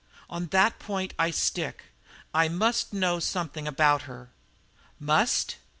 "On that point I stick. I must know something about her." "Must?"